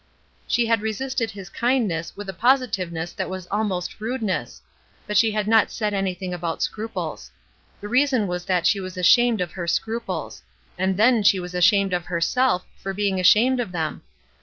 She had resisted his kindness with a positive ness that was almost rudeness; but she had not said anything about scruples. The reason was 96 ESTER RIED^S NAMESAKE that she was ashamed of her scruples ; and then she was ashamed of herself for being ashamed of them.